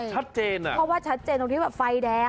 เพราะว่าชัดเจนตรงที่ไฟแดง